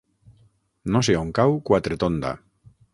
No sé on cau Quatretonda.